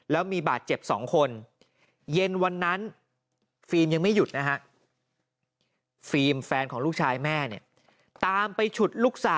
แล้วมีบาดเจ็บ๒คนเย็นวันนั้นฟิล์มยังไม่หยุด